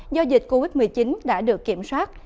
do dịch covid một mươi chín đã được kiểm soát